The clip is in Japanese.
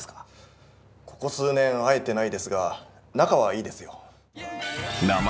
ここ数年会えてないですが仲はいいですよ。